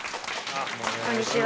こんにちは。